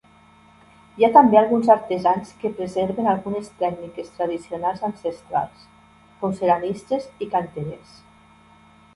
Hi ha també alguns artesans que preserven algunes tècniques tradicionals ancestrals, com ceramistes i canterers.